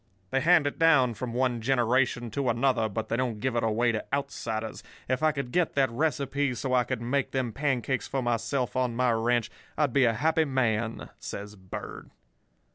They hand it down from one generation to another, but they don't give it away to outsiders. If I could get that recipe, so I could make them pancakes for myself on my ranch, I'd be a happy man,' says Bird.